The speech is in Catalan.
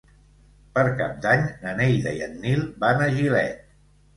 Per Cap d'Any na Neida i en Nil van a Gilet.